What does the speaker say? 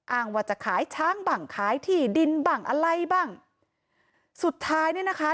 อ้างว่าจะขายช้างบังขายที่ดินบ้างอะไรบ้างสุดท้ายเนี่ยนะคะ